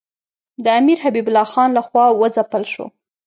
د امیر حبیب الله خان له خوا وځپل شو.